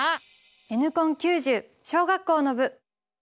「Ｎコン９０」小学校の部！